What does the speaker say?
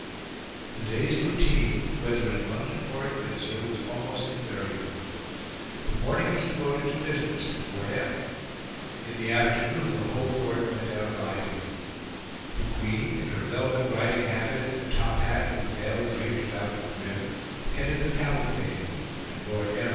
'" The day's routine, whether in London or at Windsor, was almost invariable. The morning was devoted to business and Lord M. In the afternoon the whole Court went out riding. The Queen, in her velvet riding habit and a top hat with a veil draped about the brim, headed the cavalcade; and Lord M.